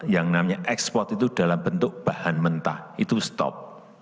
yang namanya ekspor itu dalam bentuk bahan mentah itu stop